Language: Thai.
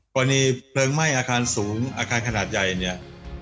กรณีเพลิงไหม้อาคารสูงอาคารขนาดใหญ่เนี่ย